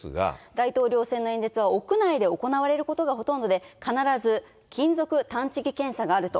大統領選の演説は、屋内で行われることがほとんどで、必ず金属探知機検査があると。